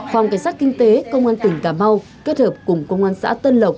phòng cảnh sát kinh tế công an tỉnh cà mau kết hợp cùng công an xã tân lộc